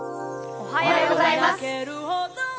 おはようございます。